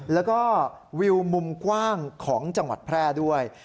แล้วก็วิวมุมกว้างของจังหวัดแพร่ด้วย